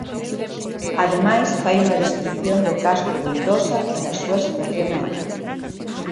Ademais fai unha descrición do Castro Ventosa e da súa situación na época.